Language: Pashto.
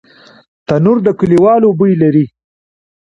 تنور د کلیوالو بوی لري